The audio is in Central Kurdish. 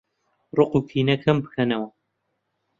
ڕقوکینە کەمبکەنەوە